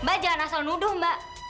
mbak jangan asal nuduh mbak